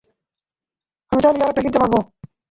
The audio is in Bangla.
আমি চাইলেই আরেকটা কিনতে পারব।